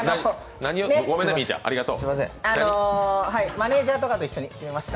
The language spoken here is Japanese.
マネージャーとかと一緒に決めました。